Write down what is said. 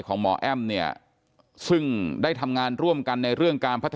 หมอแอ้มเนี่ยซึ่งได้ทำงานร่วมกันในเรื่องการพัฒนา